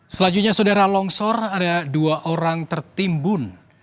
selanjutnya saudara longsor ada dua orang tertimbun